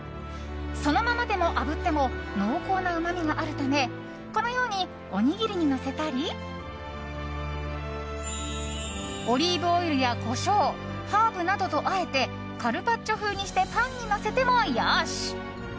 そのままでもあぶっても濃厚なうまみがあるためこのように、おにぎりにのせたりオリーブオイルやコショウハーブなどとあえてカルパッチョ風にしてパンにのせてもよし。